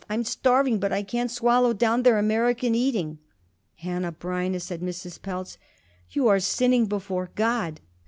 I'm starving, but I can't swallow down their American eating." "Hanneh Breineh," said Mrs. Pelz, "you are sinning before God.